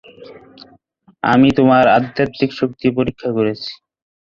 আমি তোমার আধ্যাত্মিক শক্তি পরীক্ষা করেছি।